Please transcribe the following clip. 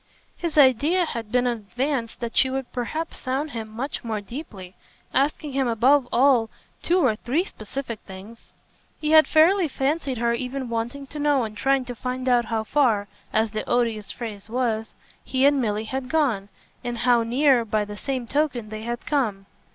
His idea had been in advance that she would perhaps sound him much more deeply, asking him above all two or three specific things. He had fairly fancied her even wanting to know and trying to find out how far, as the odious phrase was, he and Milly had gone, and how near, by the same token, they had come.